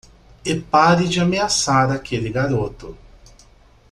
E pare de ameaçar aquele garoto.